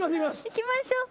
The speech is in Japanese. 行きましょう。